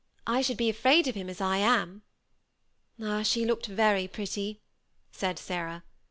I should be afraid of him as I am." " Ah, she looked very pretty," said Sarah.